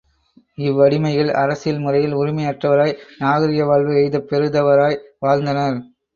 இவ்வடிமைகள் அரசியல் முறையில் உரிமை அற்றவராய், நாகரிக வாழ்வு எய்தப் பெருதவராய் வாழ்ந்தனர்.